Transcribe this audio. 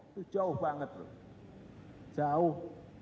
itu jauh banget loh jauh